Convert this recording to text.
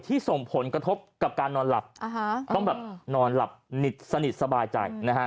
ที่ส่งผลกระทบกับการนอนหลับต้องนอนหลับสนิทสบายใจ